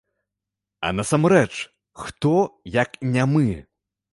А насамрэч, хто, як не мы?!